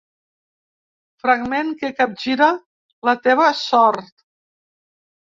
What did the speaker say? Fragment que capgira la teva sort.